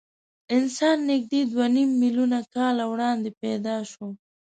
انسان نږدې دوه نیم میلیونه کاله وړاندې پیدا شو.